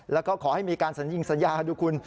แล้วเขาขอให้มีการสัญญาดูคุณ